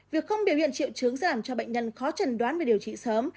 việc không biểu hiện triệu chứng sẽ làm cho bệnh nhân khó trần đoán về điều trị sớm